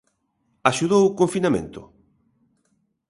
Axudou o confinamento?